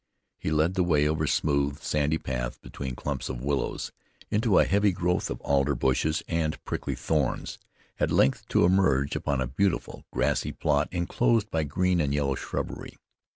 He led the way over smooth, sandy paths between clumps of willows, into a heavy growth of alder bushes and prickly thorns, at length to emerge upon a beautiful grassy plot enclosed by green and yellow shrubbery.